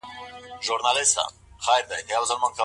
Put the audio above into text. د ابليس په وينا ناحقه وخت څنګه ضائع کيږي؟